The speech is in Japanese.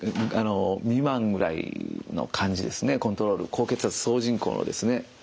高血圧総人口のですね。